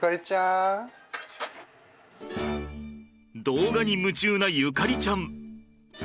動画に夢中な縁ちゃん。